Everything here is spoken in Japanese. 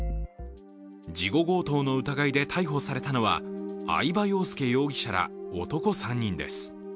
事後強盗の疑いで逮捕されたのは、饗庭庸介容疑者ら、男３人です。